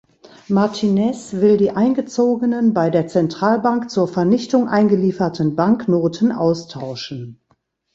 Martinez will die eingezogenen bei der Zentralbank zur Vernichtung eingelieferten Banknoten austauschen.